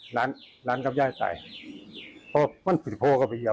หลานหลานครับย่ายตายเพราะมันผิดโภคกับพี่เยียบ